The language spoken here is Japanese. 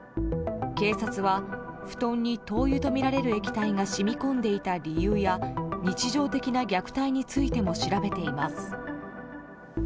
警察は布団に灯油とみられる液体が染み込んでいた理由や日常的な虐待についても調べています。